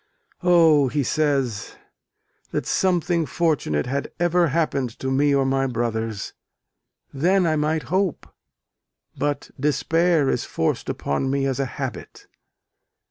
"O," he says, "that something fortunate had ever happened to me or my brothers! Then I might hope but despair is forced upon me as a habit."